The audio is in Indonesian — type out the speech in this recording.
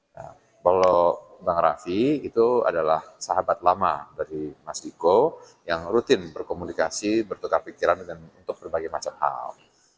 nah kalau bang rafi itu adalah sahabat lama dari mas diko yang rutin berkomunikasi bertukar pikiran untuk berbagai macam hal